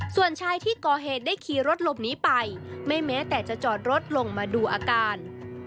ส่วนชายที่ก่อเหตุได้ขี่รถหลบหนีไปไม่แม้แต่จะจอดรถลงมาดูอาการ